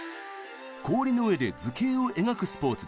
氷の上で図形を描くスポーツでした。